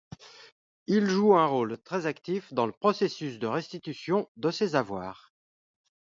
Il joue un rôle très actif dans le processus de restitution de ces avoirs.